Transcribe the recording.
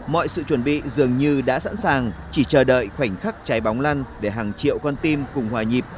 mọi sự chuẩn bị dường như đã sẵn sàng chỉ chờ đợi khoảnh khắc trái bóng lăn để hàng triệu con tim cùng hòa nhịp